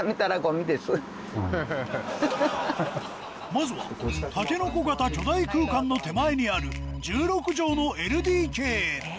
まずはタケノコ型巨大空間の手前にある１６畳のＬＤＫへ！